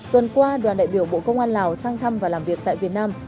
tuần qua đoàn đại biểu bộ công an lào sang thăm và làm việc tại việt nam